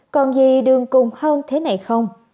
còn gì đường cùng hơn thế này không